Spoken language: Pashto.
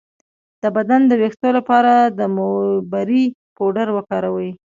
د بدن د ویښتو لپاره د موبری پوډر وکاروئ